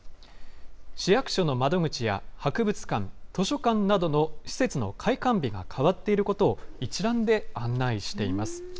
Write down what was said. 市役所の窓口や博物館、図書館などの施設の開館日が変わっていることを、一覧で案内しています。